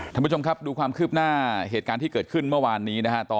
ท่านผู้ชมครับดูความคืบหน้าเหตุการณ์ที่เกิดขึ้นเมื่อวานนี้นะฮะ